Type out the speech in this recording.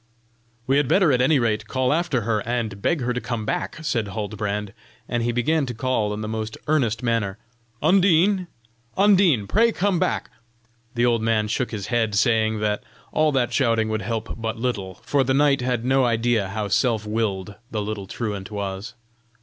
"We had better at any rate call after her, and beg her to come back," said Huldbrand; and he began to call in the most earnest manner: "Undine! Undine! Pray come back!" The old man shook his head, saying, that all that shouting would help but little, for the knight had no idea how self willed the little truant was.